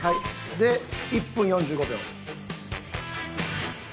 で１分４５秒。